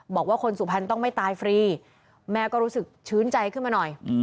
บอกว่าคนสุพรรณต้องไม่ตายฟรีแม่ก็รู้สึกชื้นใจขึ้นมาหน่อย